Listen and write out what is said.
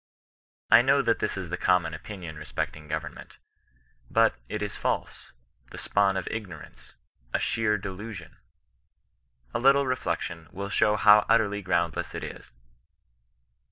I know that this is the common opinion respecting go vernment. But it is false, the spawn of ignorance — a sheer delusion. A little reflection will show how utterly groundless it is.